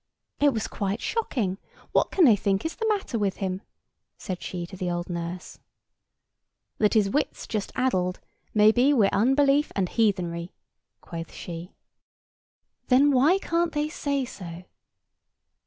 "It was quite shocking! What can they think is the matter with him?" said she to the old nurse. "That his wit's just addled; may be wi' unbelief and heathenry," quoth she. "Then why can't they say so?"